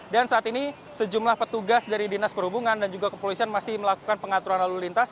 dan saat ini sejumlah petugas dari dinas perhubungan dan juga kepolisian masih melakukan pengaturan lalu lintas